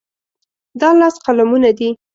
دا لس قلمونه دي.